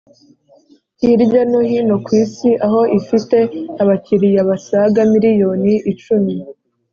hirya no hino kw Isi, aho ifite abakiliya basaga miliyoni icumi